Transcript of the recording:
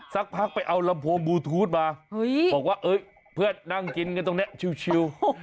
สักพักไปเอาลำโพงบลูทูธมาบอกว่าเพื่อนนั่งกินกันตรงนี้ชิว